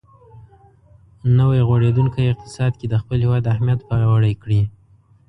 نوی غوړېدونکی اقتصاد کې د خپل هېواد اهمیت پیاوړی کړي.